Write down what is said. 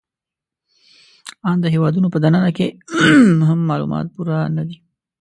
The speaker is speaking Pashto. آن د هېوادونو په دننه کې هم معلومات پوره نهدي